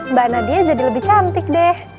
mbak nadia jadi lebih cantik deh